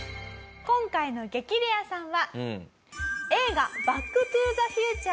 今回の激レアさんは。